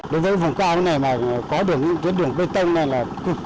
đối với vùng cao này mà có được những tuyến đường bê tông này là cực kỳ